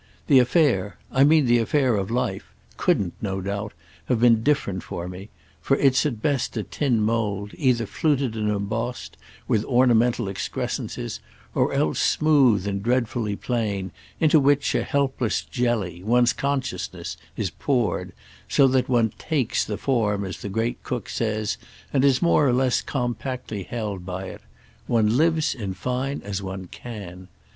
The affair—I mean the affair of life—couldn't, no doubt, have been different for me; for it's at the best a tin mould, either fluted and embossed, with ornamental excrescences, or else smooth and dreadfully plain, into which, a helpless jelly, one's consciousness is poured—so that one 'takes' the form as the great cook says, and is more or less compactly held by it: one lives in fine as one can.